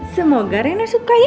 semoga reina suka ya